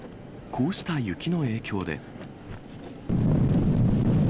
こうした雪の影響で。